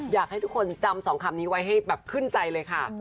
อยากให้ทุกคนจำสองคำนี้ไว้ให้แบบขึ้นใจเลยค่ะ